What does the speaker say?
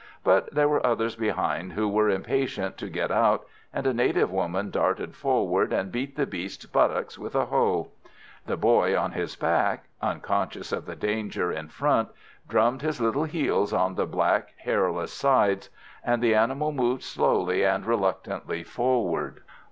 But there were others behind who were impatient to get out, and a native woman darted forward, and beat the beast's buttocks with a hoe. The boy on his back, unconscious of the danger in front, drummed his little heels on the black, hairless sides, and the animal moved slowly and reluctantly forward.